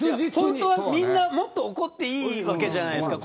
本当は、みんなもっと怒っていいわけじゃないですか。